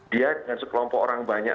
dia dengan sekelompok orang banyak